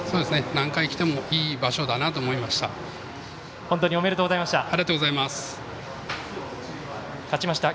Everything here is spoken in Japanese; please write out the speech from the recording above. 何回、来てもいい場所だなと思いました。